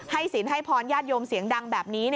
ศีลให้พรญาติโยมเสียงดังแบบนี้